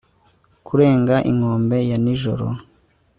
Kurenga inkombe ya nijoro